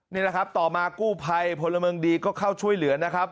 นี่แหละครับต่อมากู้ภัยพลเมืองดีก็เข้าช่วยเหลือนะครับ